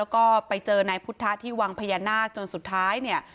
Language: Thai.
แล้วก็ไปเจอนายพุทธที่วังพญานาคจนสุดท้ายเนี่ย